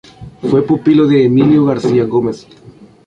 Fue pupilo de Emilio García Gómez.